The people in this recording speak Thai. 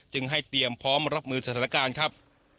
จึงให้เตรียมพร้อมรับมือสถานการณ์ครับ